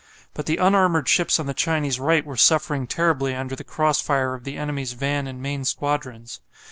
But the unarmoured ships on the Chinese right were suffering terribly under the cross fire of the enemy's van and main squadrons.